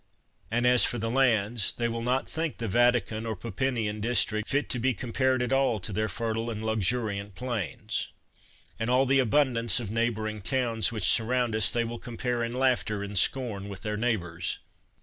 And as for the lands, they will not think the Vatican or Pupinian district fit to be compared at all to their fertile and luxuriant plains. And all the 90 CICERO abundance of neighboring towns which surround us they will compare in laughter and scorn with their neighbors.